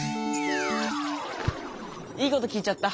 いいこと聞いちゃった。